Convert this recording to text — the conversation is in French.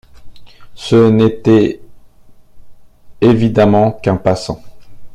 Ce n’était évidemment qu’un passant.